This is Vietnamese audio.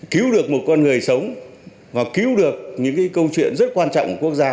cứu được một con người sống và cứu được những câu chuyện rất quan trọng của quốc gia